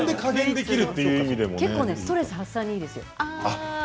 ストレス発散にいいですよ。